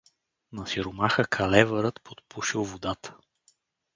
На сиромаха калевърът подпушил водата.